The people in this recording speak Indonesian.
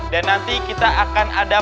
dan nanti kita akan ada